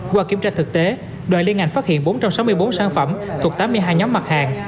qua kiểm tra thực tế đoàn liên ngành phát hiện bốn trăm sáu mươi bốn sản phẩm thuộc tám mươi hai nhóm mặt hàng